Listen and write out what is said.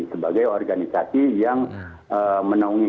sebagai organisasi yang menaungi